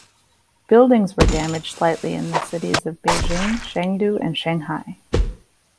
Buildings were damaged slightly in the cities of Beijing, Chengdu and Shanghai.